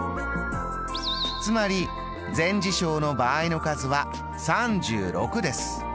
つまり全事象の場合の数は３６です。